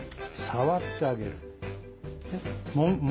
触ってあげる。